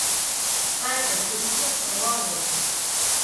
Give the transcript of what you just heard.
Payqa churichasqa wawan.